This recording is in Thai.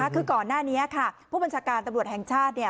คือก่อนหน้านี้ค่ะผู้บัญชาการตำรวจแห่งชาติ